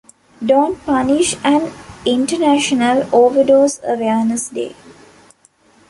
Don't Punish and International Overdose Awareness Day.